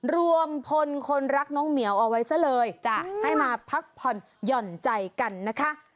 รวมพลคนรักน้องเหมียวเอาไว้ซะเลยให้มาพักผ่อนหย่อนใจกันนะคะ